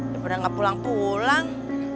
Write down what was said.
ya yaudah gak pulang pulang